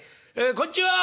「こんちは！」。